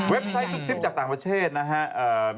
ไซต์ซุปซิบจากต่างประเทศนะครับ